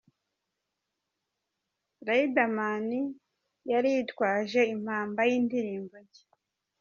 Riderman yari yitwaje impamba y'indirimbo nshya.